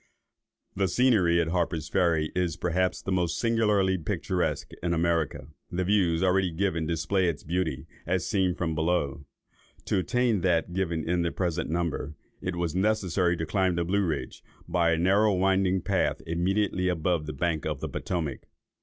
The scenery at Harper's Ferry is, perhaps, the most singularly picturesque in America. The Views already given display its beauties, as seen from below. To attain that given in the present number, it was necessary to climb the Blue Ridge, by a narrow winding path, immediately above the bank of the Potomac.